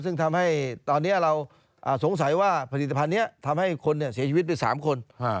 ซึ่งทำให้ตอนนี้เราสงสัยว่าผลิตภัณฑ์นี้ทำให้คนเสียชีวิตไป๓คน